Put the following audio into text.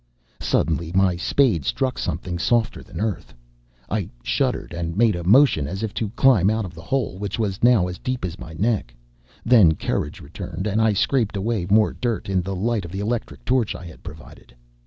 Suddenly my spade struck something softer than earth. I shuddered, and made a motion as if to climb out of the hole, which was now as deep as my neck. Then courage returned, and I scraped away more dirt in the light of the electric torch I had provided.